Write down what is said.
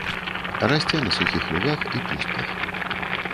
Расце на сухіх лугах і пустках.